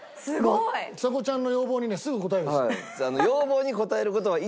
ちさ子ちゃんの要望にねすぐ応えるんです。